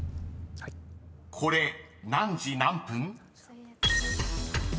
［これ何時何分？］